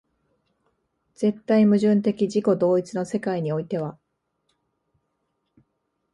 絶対矛盾的自己同一の世界においては、